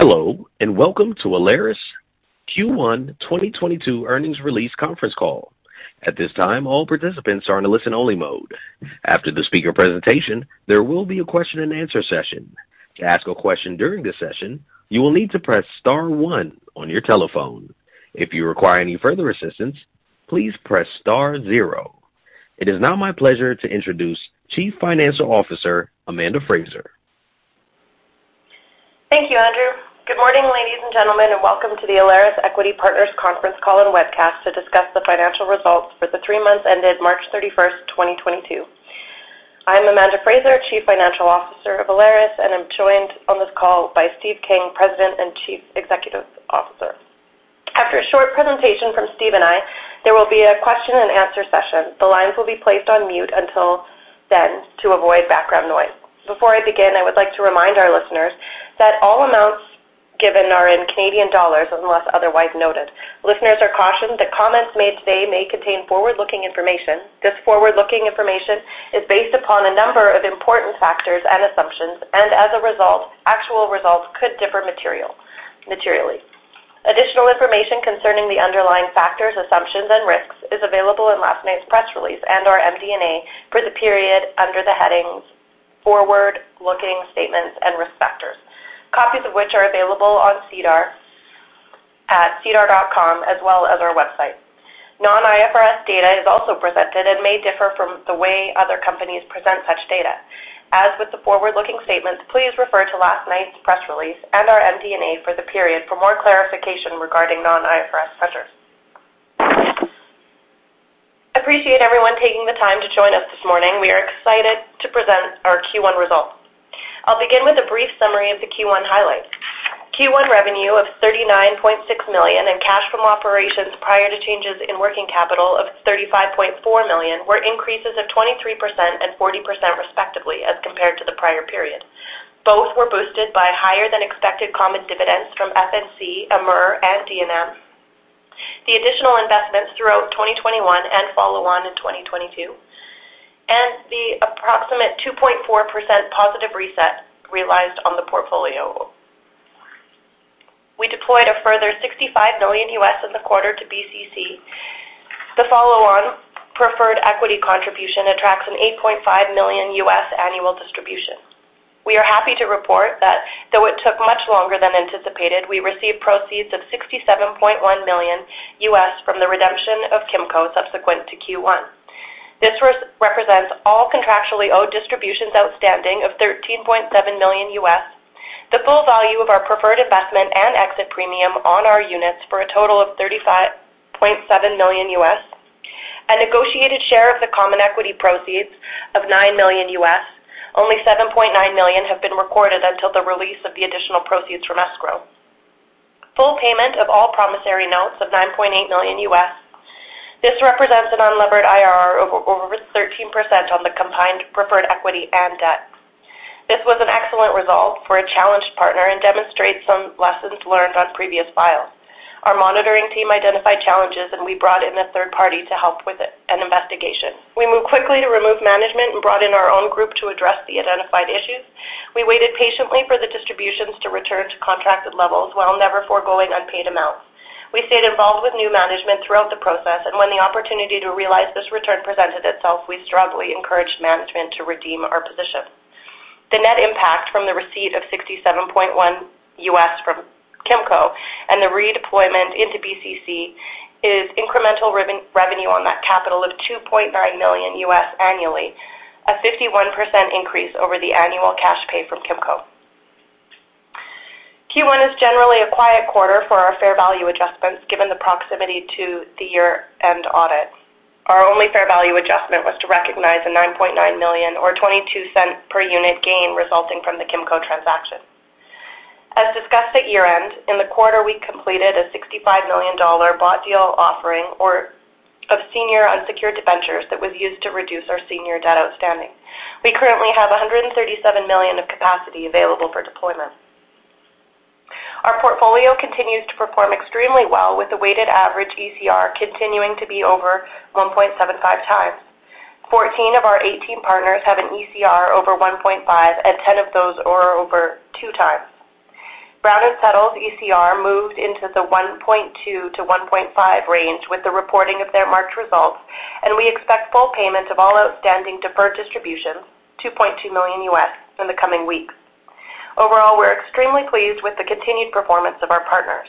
Hello, and welcome to Alaris Q1 2022 earnings release conference call. At this time, all participants are in a listen-only mode. After the speaker presentation, there will be a question-and-answer session. To ask a question during this session, you will need to press star one on your telephone. If you require any further assistance, please press star zero. It is now my pleasure to introduce Chief Financial Officer, Amanda Frazer. Thank you, Andrew. Good morning, ladies and gentlemen, and welcome to the Alaris Equity Partners conference call and webcast to discuss the financial results for the three months ended March 31st, 2022. I'm Amanda Frazer, Chief Financial Officer of Alaris, and I'm joined on this call by Steve King, President and Chief Executive Officer. After a short presentation from Steve and I, there will be a question-and-answer session. The lines will be placed on mute until then to avoid background noise. Before I begin, I would like to remind our listeners that all amounts given are in Canadian dollars, unless otherwise noted. Listeners are cautioned that comments made today may contain forward-looking information. This forward-looking information is based upon a number of important factors and assumptions, and as a result, actual results could differ materially. Additional information concerning the underlying factors, assumptions and risks is available in last night's press release and our MD&A for the period under the headings forward-looking statements and risk factors, copies of which are available on SEDAR at sedar.com, as well as our website. non-IFRS data is also presented and may differ from the way other companies present such data. As with the forward-looking statements, please refer to last night's press release and our MD&A for the period for more clarification regarding non-IFRS measures. I appreciate everyone taking the time to join us this morning. We are excited to present our Q1 results. I'll begin with a brief summary of the Q1 highlights. Q1 revenue of 39.6 million and cash from operations prior to changes in working capital of 35.4 million were increases of 23% and 40%, respectively, as compared to the prior period. Both were boosted by higher than expected common dividends from FNC, Amur and D&M. The additional investments throughout 2021 and follow-on in 2022, and the approximate 2.4% positive reset realized on the portfolio. We deployed a further $65 million in the quarter to BCC. The follow-on preferred equity contribution attracts an $8.5 million annual distribution. We are happy to report that, though it took much longer than anticipated, we received proceeds of $67.1 million from the redemption of Kimco subsequent to Q1. This represents all contractually owed distributions outstanding of $13.7 million, the full value of our preferred investment and exit premium on our units for a total of $35.7 million, a negotiated share of the common equity proceeds of $9 million. Only $7.9 million have been recorded until the release of the additional proceeds from escrow. Full payment of all promissory notes of $9.8 million. This represents an unlevered IRR of over 13% on the combined preferred equity and debt. This was an excellent result for a challenged partner and demonstrates some lessons learned on previous files. Our monitoring team identified challenges, and we brought in a third party to help with an investigation. We moved quickly to remove management and brought in our own group to address the identified issues. We waited patiently for the distributions to return to contracted levels while never foregoing unpaid amounts. We stayed involved with new management throughout the process, and when the opportunity to realize this return presented itself, we strongly encouraged management to redeem our position. The net impact from the receipt of $67.1 from Kimco and the redeployment into BCC is incremental revenue on that capital of $2.9 million annually, a 51% increase over the annual cash paid from Kimco. Q1 is generally a quiet quarter for our fair value adjustments, given the proximity to the year-end audit. Our only fair value adjustment was to recognize a 9.9 million or 0.22 per unit gain resulting from the Kimco transaction. As discussed at year-end, in the quarter, we completed a 65 million dollar bought deal offering of senior unsecured debentures that was used to reduce our senior debt outstanding. We currently have 137 million of capacity available for deployment. Our portfolio continues to perform extremely well, with the weighted average ECR continuing to be over 1.75x. 14 of our 18 partners have an ECR over 1.5, and 10 of those are over 2x. Brown & Settle's ECR moved into the 1.2-1.5 range with the reporting of their March results, and we expect full payments of all outstanding deferred distributions, $2.2 million, in the coming weeks. Overall, we're extremely pleased with the continued performance of our partners.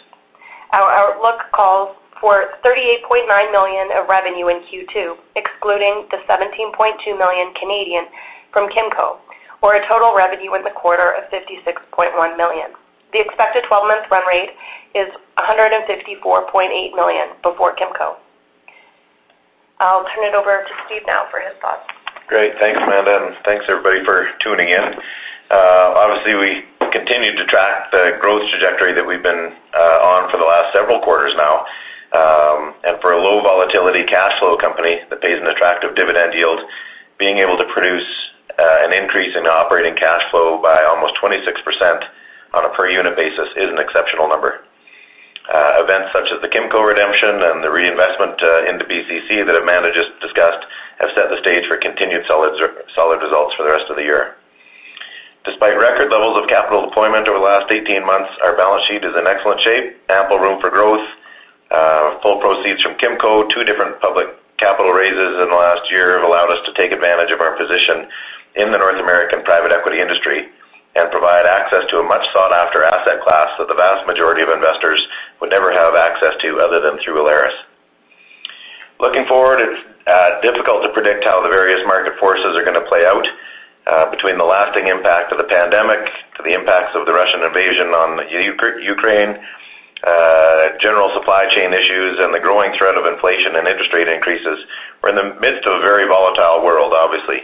Our outlook calls for 38.9 million of revenue in Q2, excluding the 17.2 million Canadian dollars from Kimco, or a total revenue in the quarter of 56.1 million. The expected 12-month run rate is 154.8 million before Kimco. I'll turn it over to Steve now for his thoughts. Great. Thanks, Amanda, and thanks everybody for tuning in. Obviously, we continue to track the growth trajectory that we've been on for the last several quarters now. For a low volatility cash flow company that pays an attractive dividend yield, being able to produce an increase in operating cash flow by almost 26% on a per unit basis is an exceptional number. Events such as the Kimco redemption and the reinvestment into BCC that Amanda just discussed have set the stage for continued solid results for the rest of the year. Despite record levels of capital deployment over the last 18 months, our balance sheet is in excellent shape, ample room for growth, full proceeds from Kimco. Two different public capital raises in the last year have allowed us to take advantage of our position in the North American private equity industry and provide access to a much sought-after asset class that the vast majority of investors would never have access to other than through Alaris. Looking forward, it's difficult to predict how the various market forces are gonna play out, between the lasting impact of the pandemic to the impacts of the Russian invasion on Ukraine, general supply chain issues, and the growing threat of inflation and interest rate increases. We're in the midst of a very volatile world, obviously.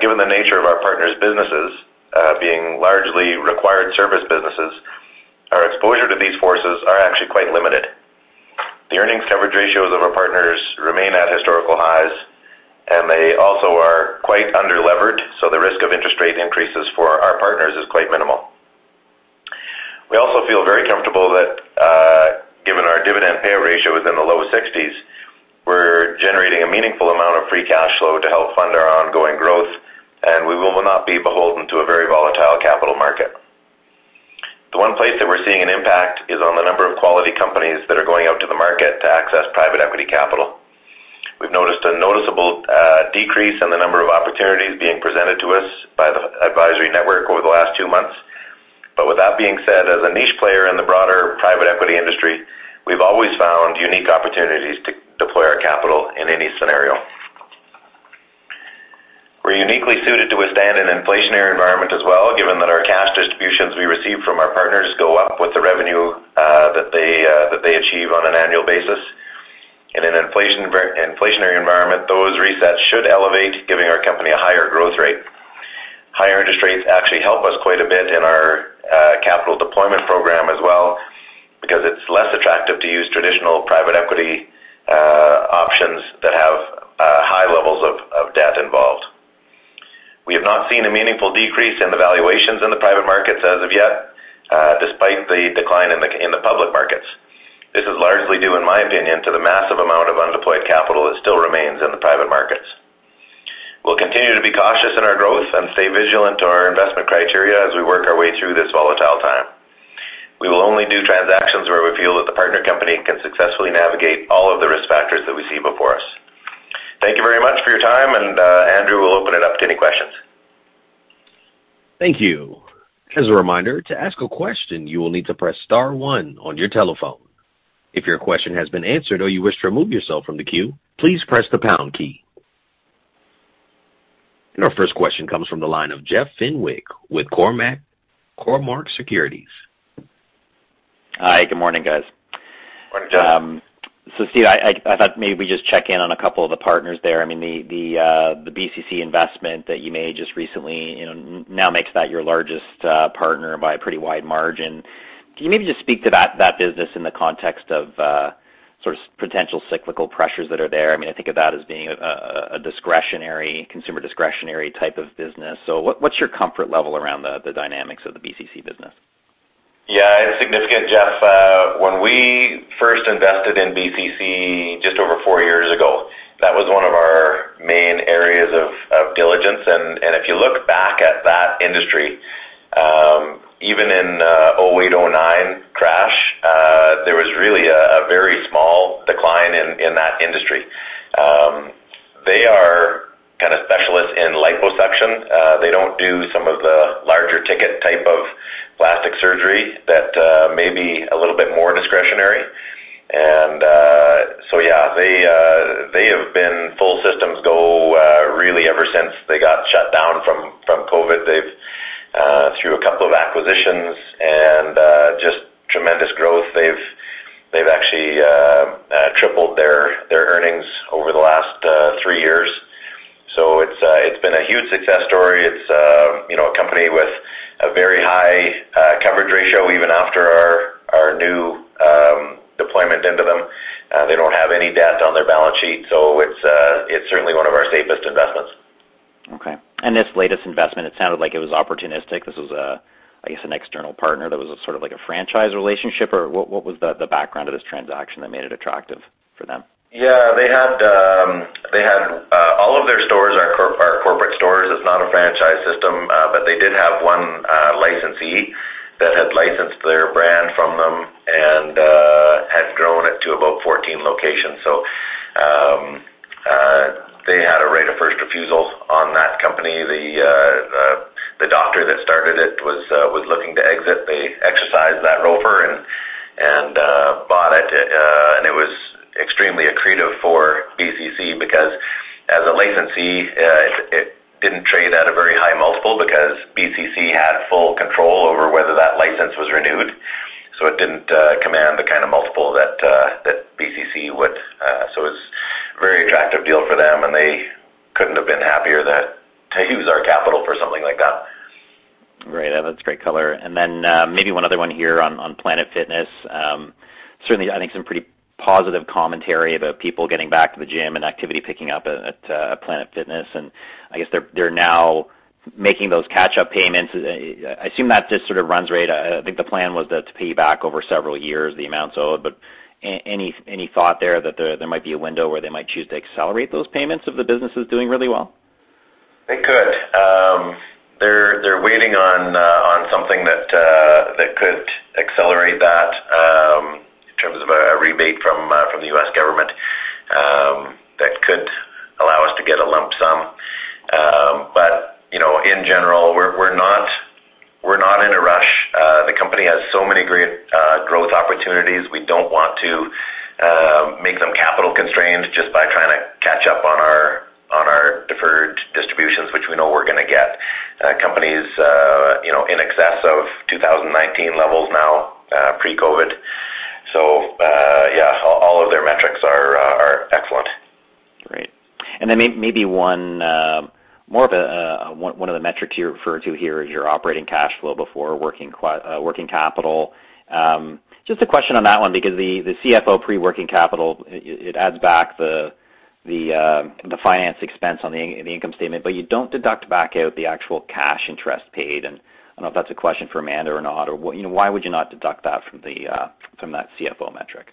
Given the nature of our partners' businesses, being largely required service businesses, our exposure to these forces are actually quite limited. The Earnings Coverage Ratio of our partners remain at historical highs, and they also are quite under-levered, so the risk of interest rate increases for our partners is quite minimal. We also feel very comfortable that, given our dividend payout ratio is in the low sixties, we're generating a meaningful amount of free cash flow to help fund our ongoing growth, and we will not be beholden to a very volatile capital market. The one place that we're seeing an impact is on the number of quality companies that are going out to the market to access private equity capital. We've noticed a noticeable decrease in the number of opportunities being presented to us by the advisory network over the last two months. With that being said, as a niche player in the broader private equity industry, we've always found unique opportunities to deploy our capital in any scenario. We're uniquely suited to withstand an inflationary environment as well, given that our cash distributions we receive from our partners go up with the revenue that they achieve on an annual basis. In an inflationary environment, those resets should elevate, giving our company a higher growth rate. Higher interest rates actually help us quite a bit in our capital deployment program as well because it's less attractive to use traditional private equity options that have high levels of debt involved. We have not seen a meaningful decrease in the valuations in the private markets as of yet, despite the decline in the public markets. This is largely due, in my opinion, to the massive amount of undeployed capital that still remains in the private markets. We'll continue to be cautious in our growth and stay vigilant to our investment criteria as we work our way through this volatile time. We will only do transactions where we feel that the partner company can successfully navigate all of the risk factors that we see before us. Thank you very much for your time, and Andrew will open it up to any questions. Thank you. As a reminder, to ask a question, you will need to press star one on your telephone. If your question has been answered or you wish to remove yourself from the queue, please press the pound key. Our first question comes from the line of Jeff Fenwick with Cormark Securities. Hi. Good morning, guys. Morning, Jeff. Steve, I thought maybe we just check in on a couple of the partners there. I mean, the BCC investment that you made just recently, you know, now makes that your largest partner by a pretty wide margin. Can you maybe just speak to that business in the context of sort of potential cyclical pressures that are there? I mean, I think of that as being a consumer discretionary type of business. What is your comfort level around the dynamics of the BCC business? Yeah. It's significant, Jeff. When we first invested in BCC just over four years ago, that was one of our main areas of diligence. If you look back at that industry, even in 2008, 2009 crash, there was really a very small decline in that industry. They are kind of specialists in liposuction. They don't do some of the larger ticket type of plastic surgery that may be a little bit more discretionary. Yeah, they have been full systems go really ever since they got shut down from COVID. They've through a couple of acquisitions and just tremendous growth. They've actually tripled their earnings over the last three years. It's been a huge success story. It's, you know, a company with a very high coverage ratio even after our new deployment into them. They don't have any debt on their balance sheet, so it's certainly one of our safest investments. Okay. This latest investment, it sounded like it was opportunistic. This was, I guess an external partner that was a sort of like a franchise relationship, or what was the background of this transaction that made it attractive for them? All of their stores are corporate stores. It's not a franchise system, but they did have one licensee that had licensed their brand from them and had grown it to about 14 locations. They had a right of first refusal on that company. The doctor that started it was looking to exit. They exercised that ROFR and bought it. It was extremely accretive for BCC because as a licensee, it didn't trade at a very high multiple because BCC had full control over whether that license was renewed. It didn't command the kind of multiple that BCC would. It's very attractive deal for them, and they couldn't have been happier to use our capital for something like that. Great. That's great color. Maybe one other one here on Planet Fitness. Certainly, I think some pretty positive commentary about people getting back to the gym and activity picking up at Planet Fitness. I guess they're now making those catch-up payments, I assume that just sort of run rate. I think the plan was that to pay you back over several years the amounts owed. Any thought there that there might be a window where they might choose to accelerate those payments if the business is doing really well? They could. They're waiting on something that could accelerate that, in terms of a rebate from the U.S. government, that could allow us to get a lump sum. You know, in general, we're not in a rush. The company has so many great growth opportunities. We don't want to make them capital constrained just by trying to catch up on our deferred distributions, which we know we're gonna get. The company's you know in excess of 2019 levels now, pre-COVID. All of their metrics are excellent. Great. Maybe one more of the metrics you referred to here is your operating cash flow before working capital. Just a question on that one, because the CFO pre-working capital, it adds back the finance expense on the income statement, but you don't deduct back out the actual cash interest paid. I don't know if that's a question for Amanda or not, you know, why would you not deduct that from that CFO metric?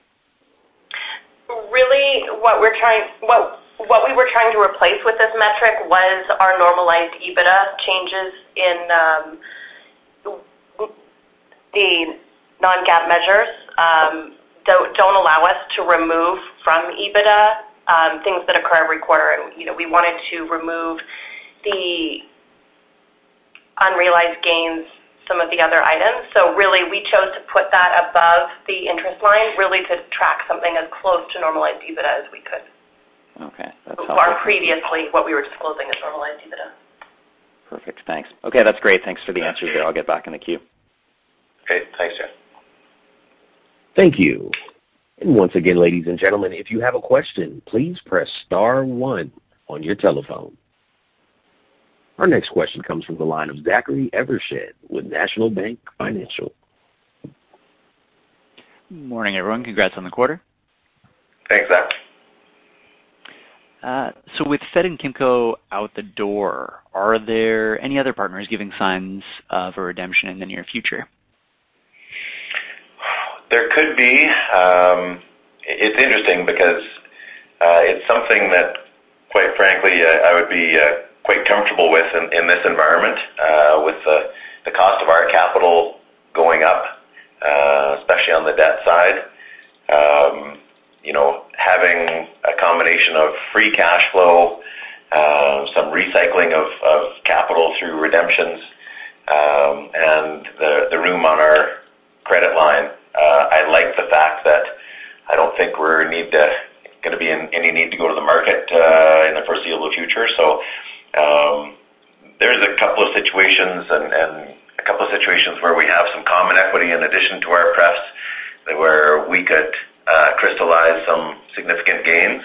What we were trying to replace with this metric was our normalized EBITDA. Changes in the non-GAAP measures don't allow us to remove from EBITDA things that occur every quarter. You know, we wanted to remove the unrealized gains, some of the other items. Really, we chose to put that above the interest line really to track something as close to normalized EBITDA as we could. Okay. That's helpful. Previously, what we were disclosing as normalized EBITDA. Perfect. Thanks. Okay, that's great. Thanks for the answers there. I'll get back in the queue. Okay. Thanks, Jeff. Thank you. Once again, ladies and gentlemen, if you have a question, please press star one on your telephone. Our next question comes from the line of Zachary Evershed with National Bank Financial. Morning, everyone. Congrats on the quarter. Thanks, Zach. With Sett and Kimco out the door, are there any other partners giving signs of a redemption in the near future? There could be. It's interesting because it's something that quite frankly, I would be quite comfortable with in this environment with the cost of our capital going up, especially on the debt side. You know, having a combination of free cash flow, some recycling of capital through redemptions, and the room on our credit line. I like the fact that I don't think we're gonna be in any need to go to the market in the foreseeable future. There's a couple of situations where we have some common equity in addition to our pref, where we could crystallize some significant gains,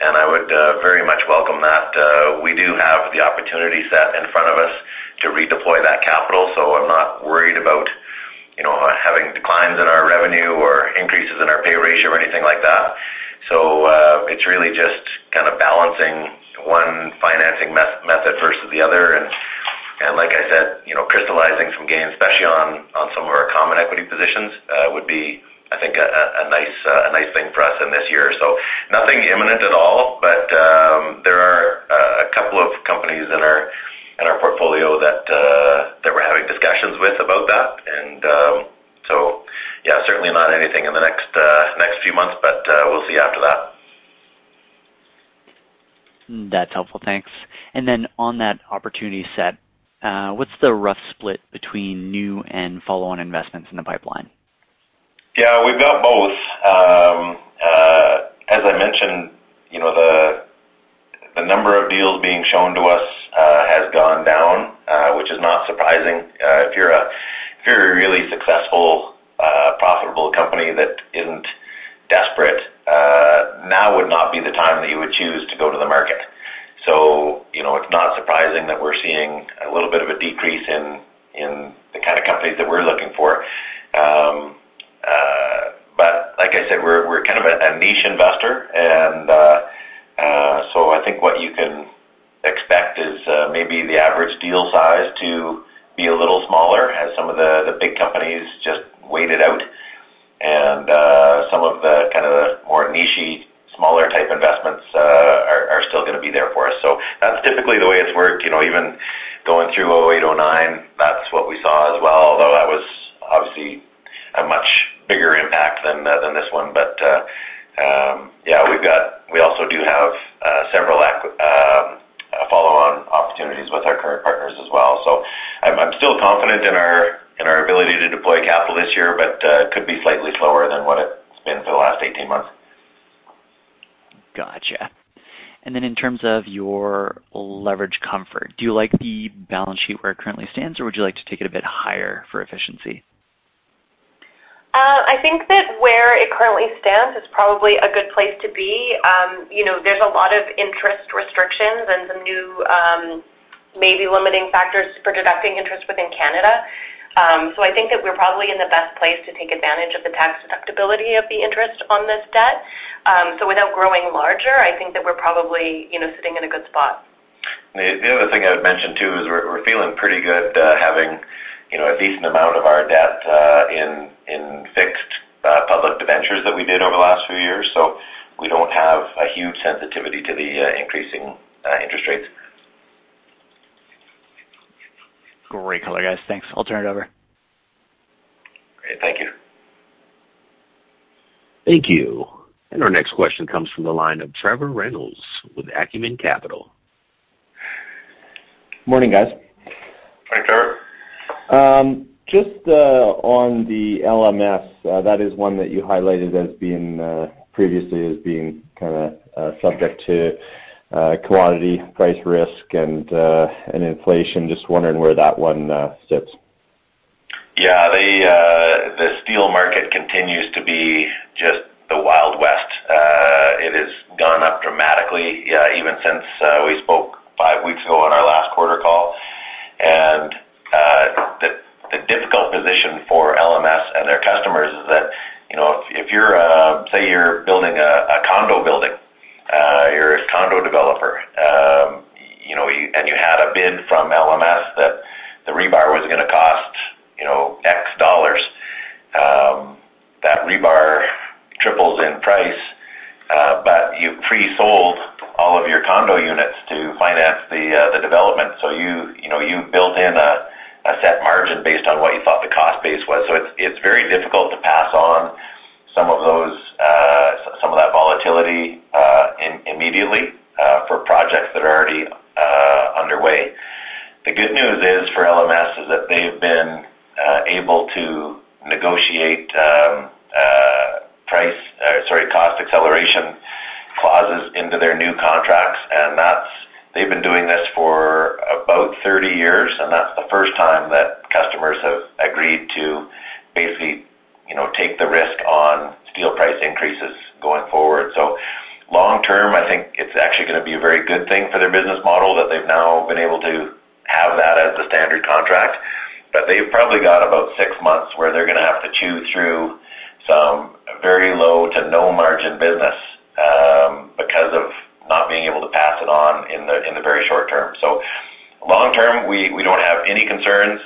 and I would very much welcome that. We do have the opportunity set in front of us to redeploy that capital. I'm not worried about, you know, having declines in our revenue or increases in our payout ratio or anything like that. It's really just kinda balancing one financing method versus the other. Like I said, you know, crystallizing some gains, especially on some of our common equity positions, would be, I think, a nice thing for us in this year. Nothing imminent at all, but there are a couple of companies in our portfolio that we're having discussions with about that. So yeah, certainly not anything in the next few months, but we'll see after that. That's helpful. Thanks. On that opportunity set, what's the rough split between new and follow-on investments in the pipeline? Yeah, we've got both. As I mentioned, you know, the number of deals being shown to us has gone down, which is not surprising. If you're a really successful profitable company that isn't desperate, now would not be the time that you would choose to go to the market. You know, it's not surprising that we're seeing a little bit of a decrease in the kind of companies that we're looking for. Like I said, we're kind of a niche investor and so I think what you can expect is maybe the average deal size to be a little smaller as some of the big companies just wait it out. Some of the kind of more niche-y, smaller type investments are still gonna be there for us. That's typically the way it's worked. You know, even going through 2008, 2009, that's what we saw as well, although that was obviously a much bigger impact than this one. We also do have several follow-on opportunities with our current partners as well. I'm still confident in our ability to deploy capital this year, but it could be slightly slower than what it's been for the last 18 months. Gotcha. In terms of your leverage comfort, do you like the balance sheet where it currently stands, or would you like to take it a bit higher for efficiency? I think that where it currently stands is probably a good place to be. You know, there's a lot of interest restrictions and some new, maybe limiting factors for deducting interest within Canada. I think that we're probably in the best place to take advantage of the tax deductibility of the interest on this debt. Without growing larger, I think that we're probably, you know, sitting in a good spot. The other thing I would mention too is we're feeling pretty good, having, you know, a decent amount of our debt in fixed public debentures that we did over the last few years. We don't have a huge sensitivity to the increasing interest rates. Great color, guys. Thanks. I'll turn it over. Great. Thank you. Thank you. Our next question comes from the line of Trevor Reynolds with Acumen Capital. Morning, guys. Hi, Trevor. Just on the LMS, that is one that you highlighted as being previously kinda subject to commodity price risk and inflation. Just wondering where that one sits. Yeah. The steel market continues to be just the Wild West. It has gone up dramatically, even since we spoke five weeks ago on our last quarter call. The difficult position for LMS and their customers is that, you know, if you're, say, you're building a condo building, you're a condo developer, you know, and you had a bid from LMS that the rebar was gonna cost, you know, X dollars, that rebar triples in price, but you've pre-sold all of your condo units to finance the development. You know, you've built in a set margin based on what you thought the cost base was. It's very difficult to pass on some of that volatility immediately for projects that are already underway. The good news for LMS is that they've been able to negotiate cost escalation clauses into their new contracts, and that's. They've been doing this for about 30 years, and that's the first time that customers have agreed to basically take the risk on steel price increases going forward. Long term, I think it's actually gonna be a very good thing for their business model that they've now been able to have that as the standard contract. They've probably got about six months where they're gonna have to chew through some very low to no margin business, because of not being able to pass it on in the very short term. Long term, we don't have any concerns.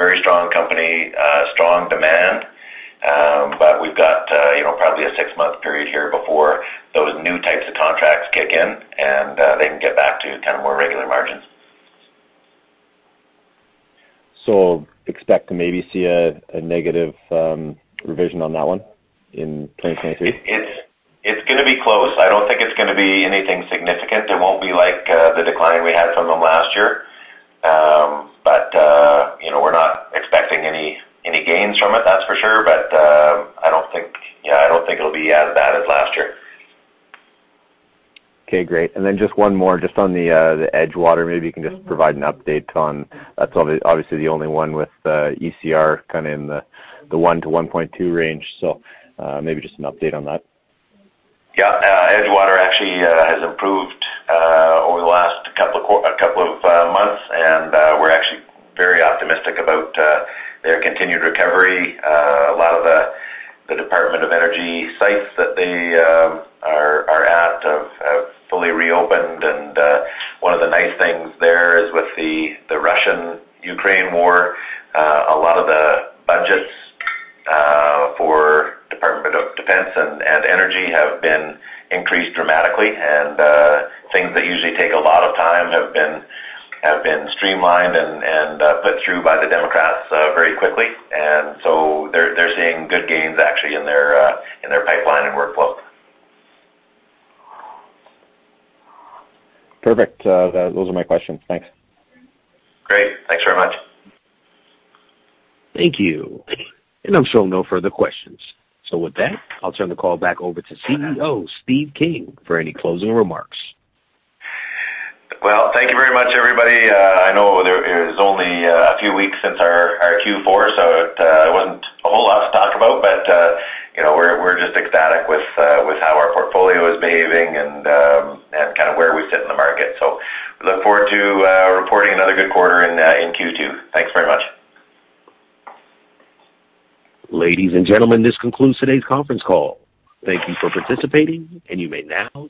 Very strong company, strong demand. We've got, you know, probably a six-month period here before those new types of contracts kick in, and they can get back to kind of more regular margins. Expect to maybe see a negative revision on that one in 2023? It's gonna be close. I don't think it's gonna be anything significant. There won't be like the decline we had from them last year. You know, we're not expecting any gains from it, that's for sure. I don't think it'll be as bad as last year. Okay, great. Just one more just on the Edgewater. Maybe you can just provide an update on the Edgewater. That's obviously the only one with ECR kinda in the 1-1.2 range. Maybe just an update on that. Yeah. Edgewater actually has improved over the last couple of months, and we're actually very optimistic about their continued recovery. A lot of the Department of Energy sites that they are at have fully reopened. One of the nice things there is with the Russia-Ukraine war, a lot of the budgets for Department of Defense and Energy have been increased dramatically. Things that usually take a lot of time have been streamlined and put through by the Democrats very quickly. They're seeing good gains actually in their pipeline and workload. Perfect. Those are my questions. Thanks. Great. Thanks very much. Thank you. I'm showing no further questions. With that, I'll turn the call back over to CEO Steve King for any closing remarks. Thank you very much, everybody. I know there is only a few weeks since our Q4, so it wasn't a whole lot to talk about. You know, we're just ecstatic with how our portfolio is behaving and kind of where we sit in the market. We look forward to reporting another good quarter in Q2. Thanks very much. Ladies and gentlemen, this concludes today's conference call. Thank you for participating, and you may now disconnect.